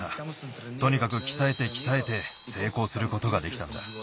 とにかくきたえてきたえてせいこうすることができたんだ。